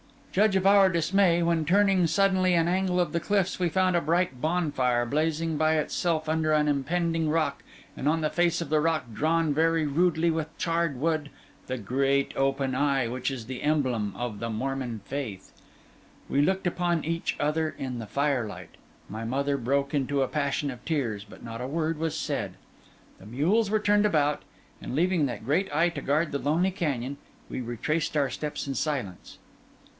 Judge of our dismay, when turning suddenly an angle of the cliffs, we found a bright bonfire blazing by itself under an impending rock; and on the face of the rock, drawn very rudely with charred wood, the great Open Eye which is the emblem of the Mormon faith. We looked upon each other in the firelight; my mother broke into a passion of tears; but not a word was said. The mules were turned about; and leaving that great eye to guard the lonely canyon, we retraced our steps in silence.